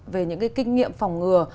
về những cái kinh nghiệm phòng ngừa